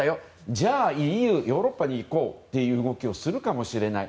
じゃあヨーロッパに行こうという話をするかもしれない。